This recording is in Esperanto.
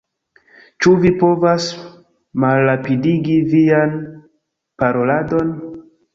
"Ĉu vi povas malrapidigi vian paroladon?"